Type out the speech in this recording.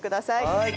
はい。